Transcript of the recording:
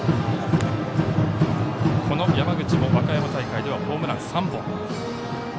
この山口も、和歌山大会ではホームラン３本。